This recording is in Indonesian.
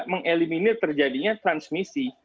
mengeliminir terjadinya transmisi